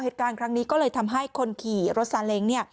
เหตุการณ์ครั้งนี้ก็เลยทำให้คนขี่รถซาเล้งเนี่ย